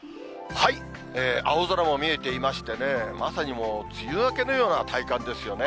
青空も見えていましてね、まさにもう梅雨明けのような体感ですよね。